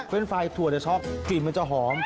เป็นไฟถั่วจะช็อกกลิ่นมันจะหอม